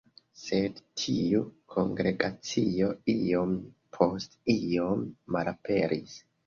Sed tiu kongregacio iom post iom malaperis.